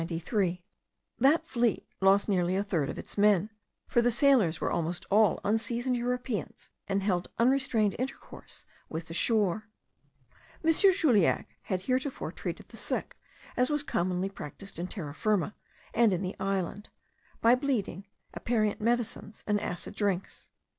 That fleet lost nearly a third of its men; for the sailors were almost all unseasoned Europeans, and held unrestrained intercourse with the shore. M. Juliac had heretofore treated the sick as was commonly practised in Terra Firma, and in the island, by bleeding, aperient medicines, and acid drinks.